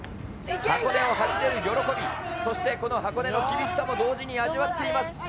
箱根を走れる喜び、そしてこの箱根の厳しさも同時に味わっています。